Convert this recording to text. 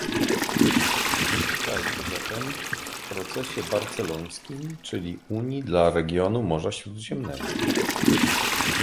Witajcie zatem w "Procesie barcelońskim czyli Unii dla Regionu Morza Śródziemnego"